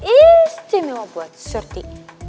istimewa buat suti